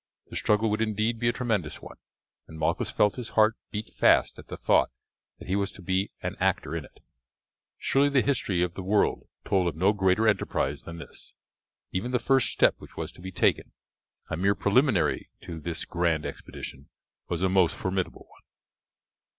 The struggle would indeed be a tremendous one, and Malchus felt his heart beat fast at the thought that he was to be an actor in it. Surely the history of the world told of no greater enterprise than this. Even the first step which was to be taken, a mere preliminary to this grand expedition, was a most formidable one.